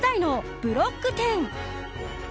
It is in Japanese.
ブロック１０。